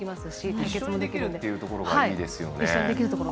一緒にできるというところがいいですよね。